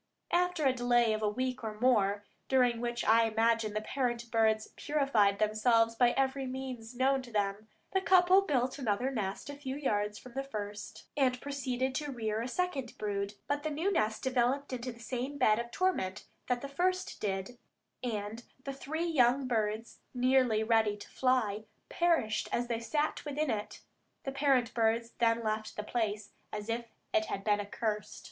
After a delay of a week or more, during which I imagine the parent birds purified themselves by every means known to them, the couple built another nest a few yards from the first, and proceeded to rear a second brood; but the new nest developed into the same bed of torment that the first did, and the three young birds, nearly ready to fly, perished as they sat within it. The parent birds then left the place as if it had been accursed.